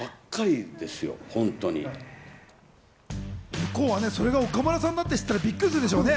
向こうは、それが岡村さんだって知ったらびっくりするでしょうね。